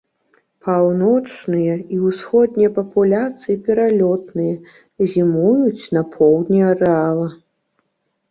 Паўночныя і ўсходнія папуляцыі пералётныя, зімуюць на поўдні арэала.